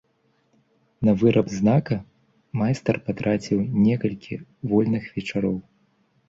На выраб знака майстар патраціў некалькі вольных вечароў.